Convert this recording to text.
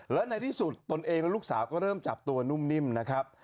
และในที่สุดตนเองและลูกสาวก็เริ่มจับตัวนุ่มนิ่มนะครับ